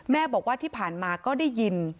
แม่บอกว่าที่ผ่านมาก็ได้ยิน